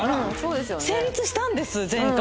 成立したんです前回。